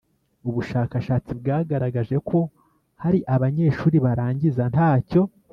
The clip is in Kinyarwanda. ’ubushakashatsi bwagaragaje ko hari abanyeshuri barangiza ntacyo